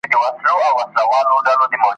یوه شپه مېرمن پر کټ باندي پرته وه ,